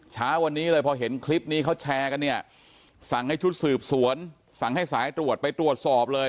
เช้าวันนี้เลยพอเห็นคลิปนี้เขาแชร์กันเนี่ยสั่งให้ชุดสืบสวนสั่งให้สายตรวจไปตรวจสอบเลย